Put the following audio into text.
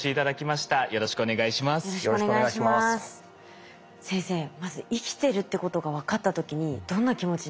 まず生きてるってことがわかった時にどんな気持ちになりました？